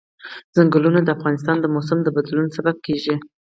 ځنګلونه د افغانستان د موسم د بدلون سبب کېږي.